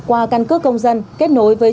qua căn cứ công dân kết nối với